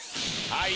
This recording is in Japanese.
はい。